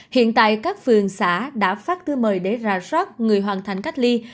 hiện tại các phường xã đã phát thư mời để rà soát người hoàn thành cách ly